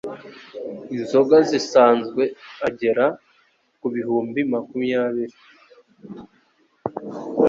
inzoga zisanzwe agera ku bihumbi makumyabiri